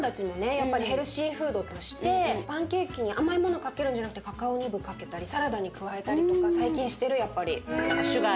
やっぱりヘルシーフードとしてパンケーキに甘いものかけるんじゃなくてカカオニブかけたりサラダに加えたりとか最近してるやっぱり。